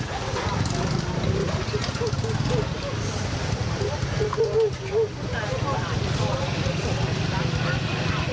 แม่ตามหาตัวนี้มันมารับมือตัวนี้